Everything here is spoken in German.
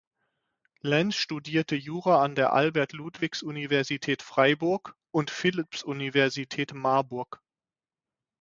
Lenz studierte Jura an der Albert-Ludwigs-Universität Freiburg und Philipps-Universität Marburg.